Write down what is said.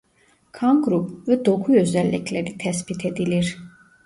Kan grubu ve doku özellikleri tespit edilir.